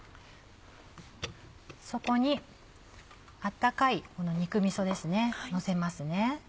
そこに温かいこの肉みそですねのせます。